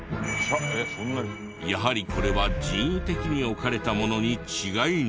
やはりこれは人為的に置かれたものに違いない。